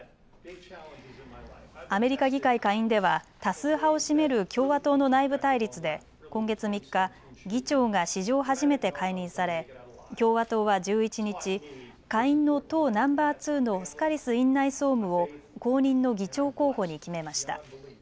アメリカ議会下院では多数派を占める共和党の内部対立で今月３日、議長が史上初めて解任され共和党は１１日、下院の党ナンバー２のスカリス院内総務を後任の議長候補に決めました。